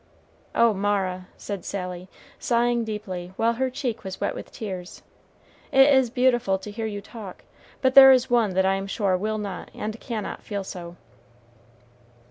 "Oh Mara," said Sally, sighing deeply, while her cheek was wet with tears, "it is beautiful to hear you talk; but there is one that I am sure will not and cannot feel so."